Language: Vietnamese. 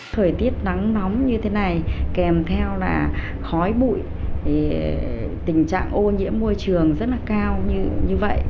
thời tiết nắng nóng như thế này kèm theo là khói bụi tình trạng ô nhiễm môi trường rất là cao như vậy